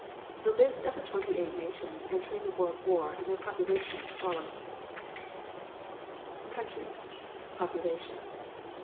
The list of the twenty eight nations entering the World War and their populations follow: Countries. Population.